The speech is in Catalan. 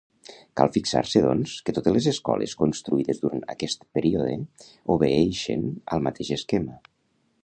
Cal fixar-se doncs que totes les escoles construïdes durant aquest període obeeixen al mateix esquema.